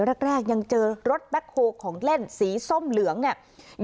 แรกยังเจอรถแบ็คโฮของเล่นสีส้มเหลืองเนี่ย